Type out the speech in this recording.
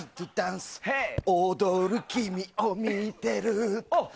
踊る君を見てる。